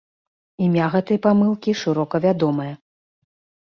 Імя гэта памылкі шырока вядомае.